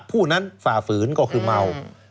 ผู้นั้นฝ่าฝืนก็คือเมา